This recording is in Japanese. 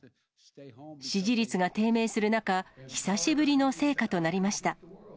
支持率が低迷する中、久しぶりの成果となりました。